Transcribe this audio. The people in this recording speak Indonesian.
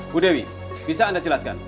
bu dewi bisa anda jelaskan